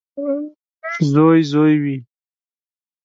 • زوی زوی وي.